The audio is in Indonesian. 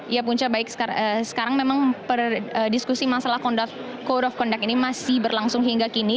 ya punca baik sekarang memang diskusi masalah code of conduct ini masih berlangsung hingga kini